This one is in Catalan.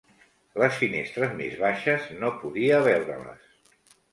Les finestres més baixes no podia veure-les.